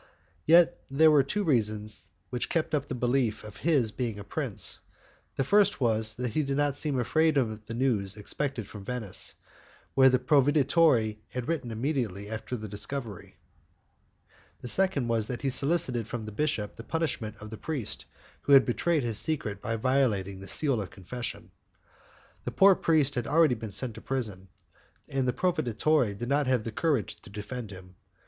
Yet, there were two reasons which kept up the belief of his being a prince: the first was that he did not seem afraid of the news expected from Venice, where the proveditore had written immediately after the discovery; the second was that he solicited from the bishop the punishment of the priest who had betrayed his secret by violating the seal of confession. The poor priest had already been sent to prison, and the proveditore had not the courage to defend him.